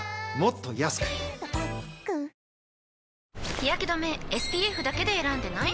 日やけ止めＳＰＦだけで選んでない？